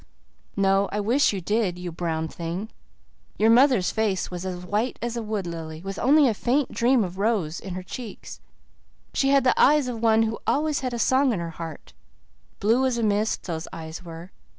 "No, I wish you did, you brown thing. Your mother's face was as white as a wood lily, with only a faint dream of rose in her cheeks. She had the eyes of one who always had a song in her heart blue as a mist, those eyes were.